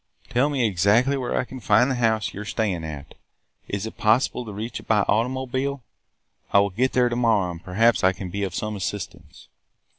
Tell me exactly where I can find the house you are staying at. Is it possible to reach it by automobile? I will get there to morrow and perhaps I can be of some assistance.'